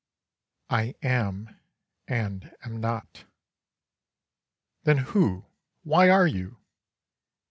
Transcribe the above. I am, and am not. Then who, why are you?